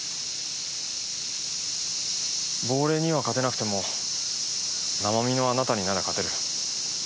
亡霊には勝てなくても生身のあなたになら勝てる。